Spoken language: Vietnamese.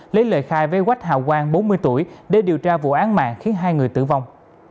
lấy lời khai với quách hào quang bốn mươi tuổi để điều tra vụ án mạng khiến hai người tử vong